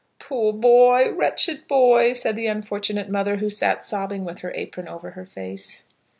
"Poor boy, wretched boy!" said the unfortunate mother, who sat sobbing with her apron over her face.